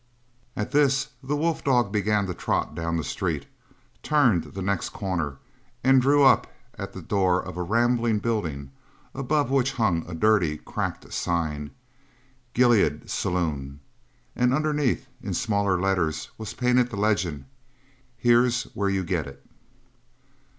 At this the wolf dog began to trot down the street, turned the next corner, and drew up at the door of a rambling building above which hung a dirty, cracked sign: "GILEAD SALOON" and underneath in smaller letters was painted the legend: "Here's where you get it!"